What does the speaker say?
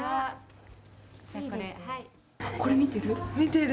これ、見てる？